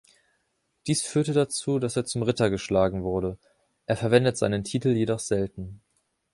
Dies führte dazu, dass er zum Ritter geschlagen wurde. Er verwendet seinen Titel jedoch selten.